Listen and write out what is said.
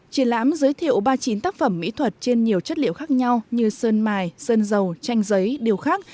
triển lãm giới thiệu ba mươi chín tác phẩm mỹ thuật trên nhiều chất liệu khác nhau như sơn mài sơn dầu tranh giấy điều khác